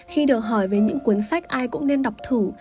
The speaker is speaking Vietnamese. khi được hỏi về những cuốn sách ai cũng nên đọc thủ